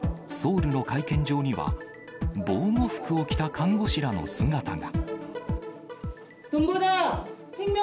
こうした中、きのう、ソウルの会見場には、防護服を着た看護師らの姿が。